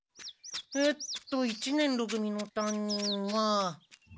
えっと一年ろ組の担任は。